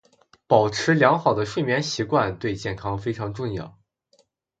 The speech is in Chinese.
保持良好的睡眠习惯对健康非常重要。